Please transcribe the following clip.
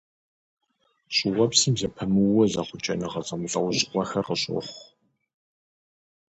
ЩӀыуэпсым зэпымыууэ зэхъукӀэныгъэ зэмылӀэужьыгъуэхэр къыщохъу.